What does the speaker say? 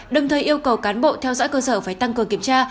đồng thời yêu cầu cán bộ theo dõi cơ sở phải tăng cường kiểm tra